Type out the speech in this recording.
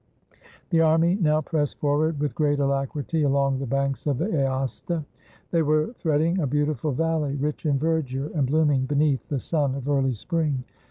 The army now pressed forward, with great alacrity, along the banks of the Aosta. They were threading a beautiful valley, rich in verdure, and blooming beneath the sun of early spring.